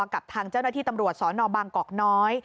กับทางเจ้าหน้าที่ตำรวจสนบางกอกน้อย